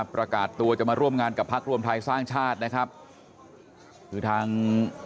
ประกาศตัวจะมาร่วมงานกับพักรวมไทยสร้างชาตินะครับคือทาง